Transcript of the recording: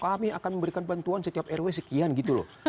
kami akan memberikan bantuan setiap rw sekian gitu loh